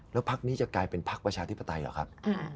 แล้วพักนี้จะกลายเป็นพักประชาธิปไตยเหรอครับ